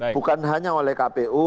bukan hanya oleh kpu